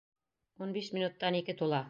Ун биш минуттан ике тула.